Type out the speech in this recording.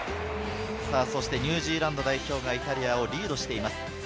ニュージーランド代表がイタリアをリードしています。